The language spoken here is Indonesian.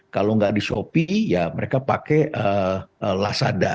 kalau nggak di shopee ya mereka pakai lasada